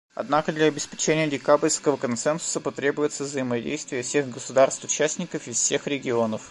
Однако для обеспечения декабрьского консенсуса потребуется взаимодействие всех государств-участников из всех регионов.